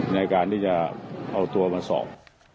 ในการที่จะเอาตัวมาสอบ